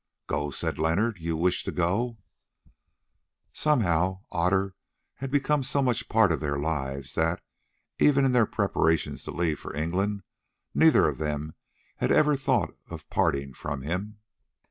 "Go!" said Leonard; "you wish to go?" Somehow Otter had become so much a part of their lives, that, even in their preparations to leave for England, neither of them had ever thought of parting from him.